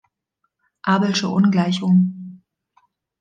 Abelsche Ungleichung